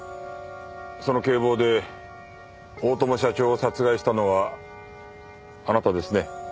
その警棒で大友社長を殺害したのはあなたですね？